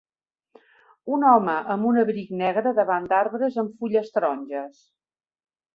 Un home amb un abric negre davant d'arbres amb fulles taronges.